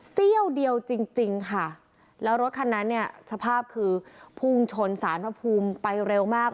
เสี้ยวเดียวจริงจริงค่ะแล้วรถคันนั้นเนี่ยสภาพคือพุ่งชนสารพระภูมิไปเร็วมาก